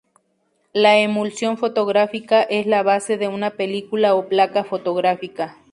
La emulsión fotográfica es la base de una película o placa fotográfica.